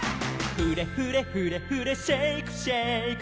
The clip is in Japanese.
「フレフレフレフレシェイクシェイク」